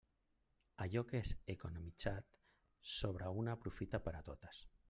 Allò que és economitzat sobre una aprofita per a totes.